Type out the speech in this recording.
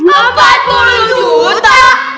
empat puluh juta